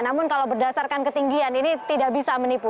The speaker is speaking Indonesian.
namun kalau berdasarkan ketinggian ini tidak bisa menipu